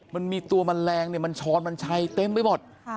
มันมีตัวแมลงเนี่ยมันช้อนมันชัยเต็มไปหมด